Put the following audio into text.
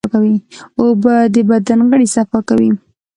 اوبه د بدن غړي صفا کوي.